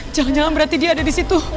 jangan jangan berarti dia ada disitu